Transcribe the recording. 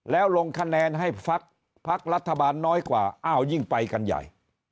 แล้วลงคะแนนให้พักรัฐบาลน้อยกว่าอ้าวยิ่งไปกันใหญ่